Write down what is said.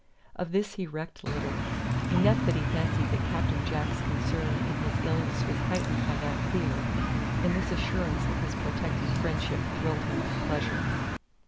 Of this he recked little; enough that he fancied that Captain Jack's concern in his illness was heightened by that fear, and this assurance of his protecting friendship thrilled him with pleasure.